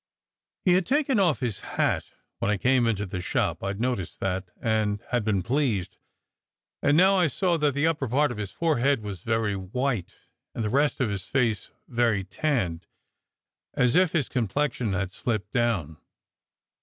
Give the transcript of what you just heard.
He had taken off his hat when I came into the shop (I d noticed that, and had been pleased), and now I saw that the upper part of his forehead was very white and the rest of his face very tanned, as if his complexion had slipped down.